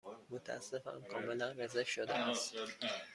متأسفم، کاملا رزرو شده است.